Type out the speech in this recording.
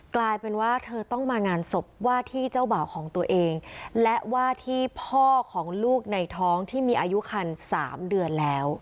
กลายเป็นว่าเธอต้องมางานศพว่าที่เจ้าบ่าวของตัวเองและว่าที่พ่อของลูกในท้องที่มีอายุคันสามเดือนแล้ว